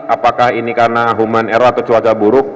apakah ini karena human error atau cuaca buruk